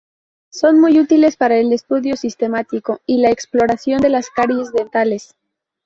Son muy útiles para el estudio sistemático y la exploración de las caries dentales.